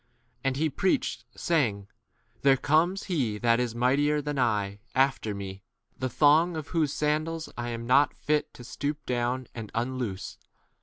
And he preached, saying, There comes he that is mightier than I after me, the thong of whose sandals I am not 8 fit to stoop down and unloose.